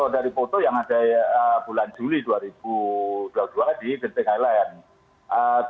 dari foto yang ada bulan juli dua ribu dua puluh dua di genting highland